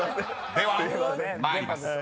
［では参ります。